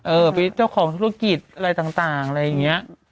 เออเป็นเจ้าของธุรกิจอะไรต่างอะไรอย่างนี้